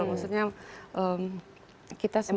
maksudnya kita semua